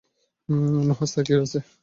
নুহাশ তাকিয়ে আছে।